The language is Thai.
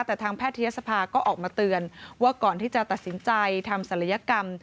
แต่ทางแพทยศภาก็ออกมาเตือนว่าก่อนที่จะตัดสินใจทำศัลยกรรม